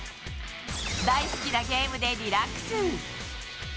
大好きなゲームでリラックス。